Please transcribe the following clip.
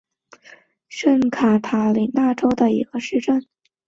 图巴朗是巴西圣卡塔琳娜州的一个市镇。